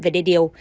và đê điều